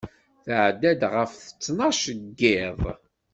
Tɛedda-d ɣef ttnac n yiḍ